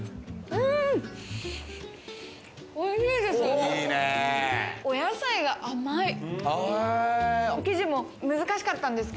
うん、おいしいです！